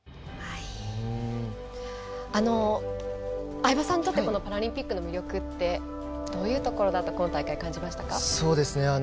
相葉さんにとってパラリンピックの魅力ってどういうところだと今大会感じましたか？